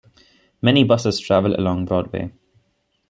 Many buses travel along Broadway.